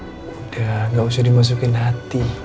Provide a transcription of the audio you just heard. udah gak usah dimasukin hati